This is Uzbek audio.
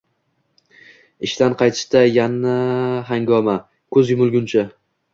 Ishdan qaytishda yana hangoma, ko`z yumilguncha